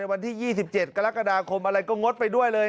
วันที่๒๗กรกฎาคมอะไรก็งดไปด้วยเลย